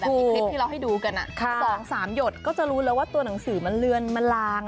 มีคลิปที่เราให้ดูกัน๒๓หยดก็จะรู้แล้วว่าตัวหนังสือมันเลือนมันลาง